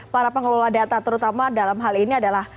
para pengelola data terutama dalam hal ini adalah